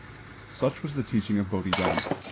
Such was the teaching of Bodhidharma.